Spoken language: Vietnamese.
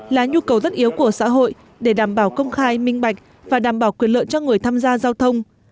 là nhu cầu tất yếu của xã hội để đảm bảo công khai minh bạch và đảm bảo quyền lợi cho người tham gia giao thông